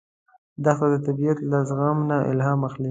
دښته د طبیعت له زغم نه الهام اخلي.